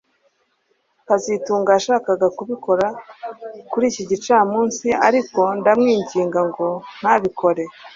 kazitunga yashakaga kubikora kuri iki gicamunsi ariko ndamwinginga ngo ntabikore